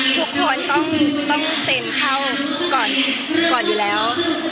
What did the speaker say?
ทุกคนต้องเซ็นเข้าก่อนอยู่แล้ว